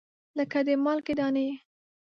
لګه د مالګې دانې